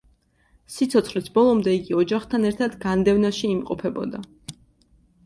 სიცოცხლის ბოლომდე იგი ოჯახთან ერთად განდევნაში იმყოფებოდა.